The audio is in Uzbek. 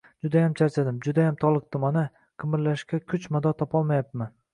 -Judayam charchadim, judayam toliqdim, ona. Qimirlashga kuch-mador topolmayapman.